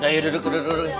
udah yuk duduk duduk duduk